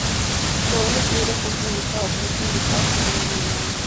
Todos los libros son publicados fueron publicados primero en Alemania.